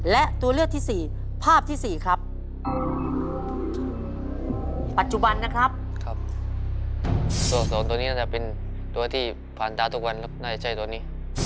ตัวเลือกที่๓ภาพที่๓